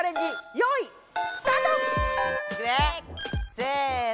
せの！